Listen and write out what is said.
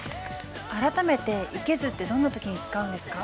改めて「いけず」ってどんな時に使うんですか？